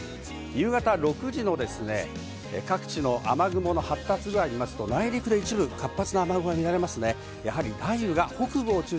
夕方６時の各地の雨雲の発達具合、内陸で一部、活発な雨雲が見られます。